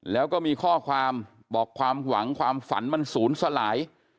แล้วก็มีข้อความบอกความหวังความฝันมันศูนย์สลาย